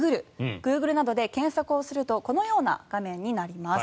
グーグルなどで検索するとこのような画面になります。